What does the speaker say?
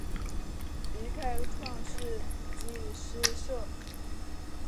离开创世纪诗社。